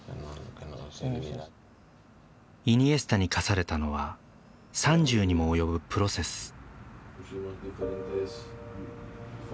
イニエスタに課されたのは３０にも及ぶプロセス。